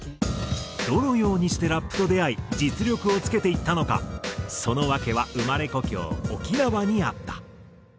どのようにしてラップと出会い実力をつけていったのかその訳は生まれ故郷沖縄にあった。